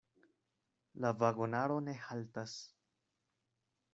La vagonaro ne haltas.